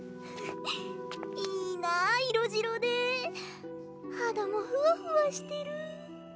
いーなぁ色白で肌もフワフワしてる。